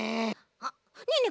あっねえねえ